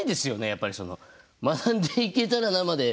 やっぱりその「学んでいけたらな」まで。